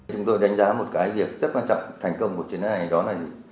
chúng tôi đánh giá một cái việc rất quan trọng thành công của chuyến đoàn này đó là gì